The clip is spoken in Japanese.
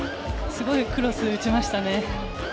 すごいクロスを打ちましたね。